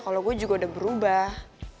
kalau gue juga udah berubah